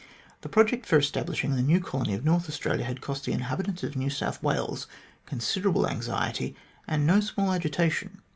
The project for establishing the new colony of North Australia had cost the inhabitants of New South Wales considerable anxiety and no small agitation.